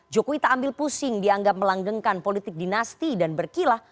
jokowi tak ambil pusing dianggap melanggengkan politik dinasti dan berkilah